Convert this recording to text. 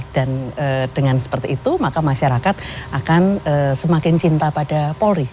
dan dengan seperti itu maka masyarakat akan semakin cinta pada polri